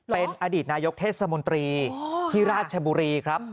เป็นอดีตนายกเทศมนตรีที่ราชบุรีครับ